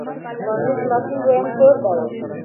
ښوونځی د ماشوم دویم کور دی.